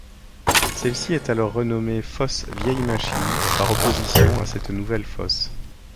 Celle-ci est alors renommée fosse Vieille Machine par opposition à cette nouvelle fosse.